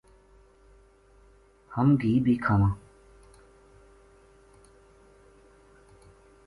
ہم گھی بے کھاواں